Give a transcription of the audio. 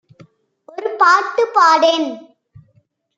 ஒரு பாட்டு பாடேன்